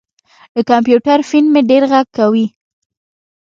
د کمپیوټر فین مې ډېر غږ کوي.